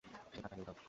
সে টাকা নিয়ে উধাও।